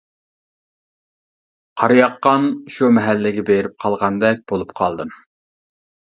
قار ياققان شۇ مەھەللىگە بېرىپ قالغاندەك بولۇپ قالدىم.